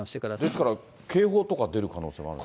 ですから、警報とか出る可能性もあると？